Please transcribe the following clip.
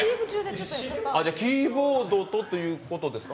じゃあ、キーボードとということですか。